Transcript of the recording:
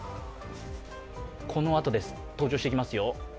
このあとです、登場してきますよ。